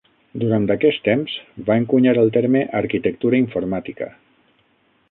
Durant aquest temps, va encunyar el terme "arquitectura informàtica".